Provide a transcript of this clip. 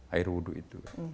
air wuduk itu